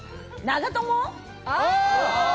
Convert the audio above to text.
長友？